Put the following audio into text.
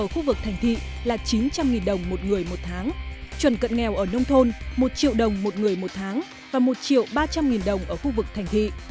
chuyển cận nghèo ở nông thôn một triệu đồng một người một tháng và một triệu ba trăm linh đồng ở khu vực thành thị